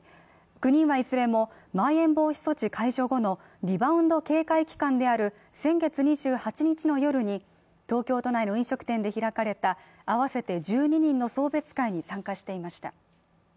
９人はいずれも、まん延防止措置解除後のリバウンド警戒期間である先月２８日の夜に東京都内の飲食店で開かれた合わせて１２人の送別会に参加していました。